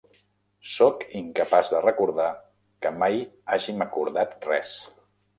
Soc incapaç de recordar que mai hàgim acordat res.